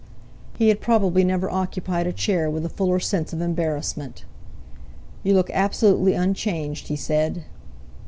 He had probably never occupied a chair with a fuller sense of embarrassment. "You look absolutely unchanged," he said.